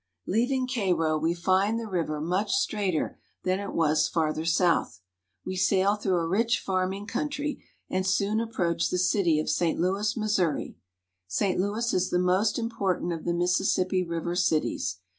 Leaving Cairo, we find the river much straighter than it was farther south. We sail through a rich farming coun try, and soon ap proach the city of St. Louis, Mis souri. St. Louis is the most im portant of the Mississippi River cities.